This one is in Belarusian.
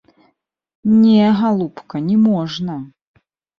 Не, галубка, не можна!